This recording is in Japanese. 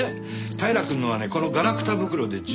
平くんのはねこのガラクタ袋で十分。